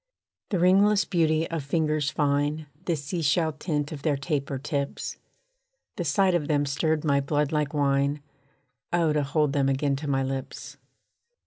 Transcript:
The ringless beauty of fingers fine, The sea shell tint of their taper tips, The sight of them stirred my blood like wine, Oh, to hold them again to my lips!